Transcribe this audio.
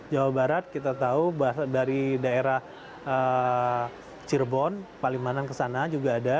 jawa barat kita tahu dari daerah cirebon palimanan ke sana juga ada